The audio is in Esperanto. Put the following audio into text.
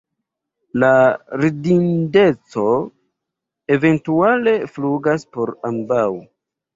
La ridindeco, eventuale, flagas por ambaŭ.